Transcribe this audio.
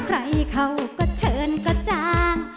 ใครเขาก็เชิญก็จ้าง